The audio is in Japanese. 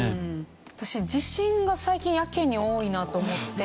私地震が最近やけに多いなと思って。